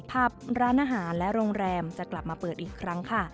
ภาพร้านอาหารและโรงแรมจะกลับมาเปิดอีกครั้งค่ะ